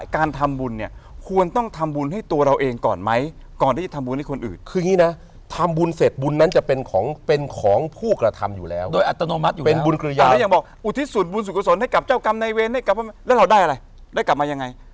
ได้กลับมายังไงแล้วต้องบอกว่าทำบุญให้เราด้วยหรือยังไง